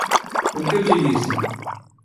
O que eu te disse?